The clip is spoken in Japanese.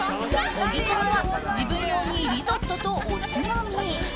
小木さんは自分用にリゾットとおつまみ。